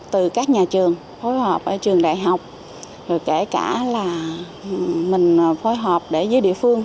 từ các nhà trường phối hợp ở trường đại học kể cả là mình phối hợp để với địa phương